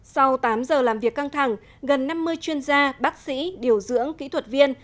sau tám giờ làm việc căng thẳng gần năm mươi chuyên gia bác sĩ điều dưỡng kỹ thuật viên